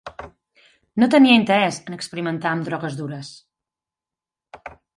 No tenia interès en experimentar amb drogues dures.